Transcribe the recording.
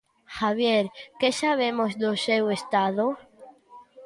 Javier, que sabemos do seu estado?